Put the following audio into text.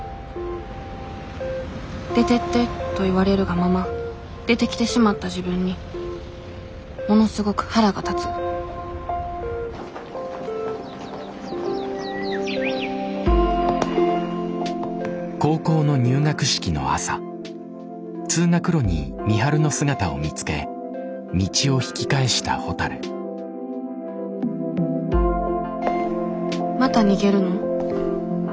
「出てって」と言われるがまま出てきてしまった自分にものすごく腹が立つまた逃げるの？